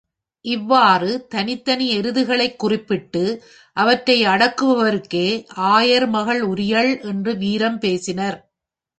இவ்வாறு தனித்தனி எருதுகளைக் குறிப்பிட்டு அவற்றை அடக்குபவருக்கே ஆயர்மகள் உரியள் என்று வீரம் பேசினர்.